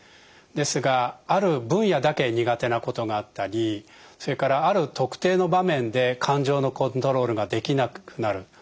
ですがある分野だけ苦手なことがあったりそれからある特定の場面で感情のコントロールができなくなる。